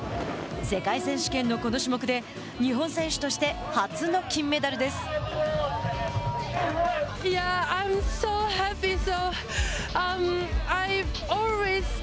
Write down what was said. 世界選手権のこの種目で日本選手として初の金メダルです。